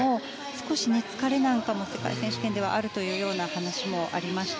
少し疲れなんかも世界選手権ではあるという話もありました。